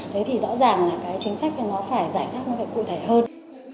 thế thì rõ ràng là cái chính sách nó phải giải pháp nó phải cụ thể hơn